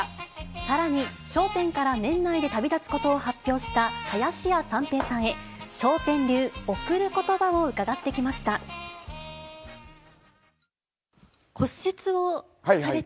さらに、笑点から年内で旅立つことを発表した林家三平さんへ、笑点流贈ることばを伺ってきました。